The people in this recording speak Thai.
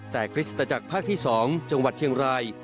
แต่คริสตจักรภาคที่๒จังหวัดเชียงราย